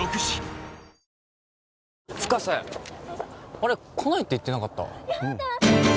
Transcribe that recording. あれっ来ないって言ってなかった？